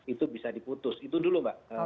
itu bisa diputus itu dulu mbak